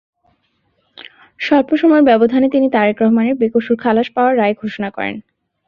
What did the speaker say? স্বল্প সময়ের ব্যবধানে তিনি তারেক রহমানের বেকসুর খালাস পাওয়ার রায় ঘোষণা করেন।